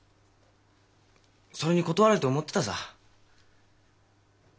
それに断られると思ってたさぁ。